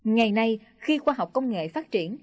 ngày nay khi khoa học công nghệ phát triển